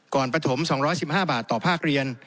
ก่อนประถม๒๑๕บาทต่อภาคเรียน